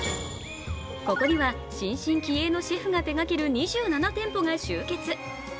ここには新進気鋭のシェフが手がける２７店舗が集結。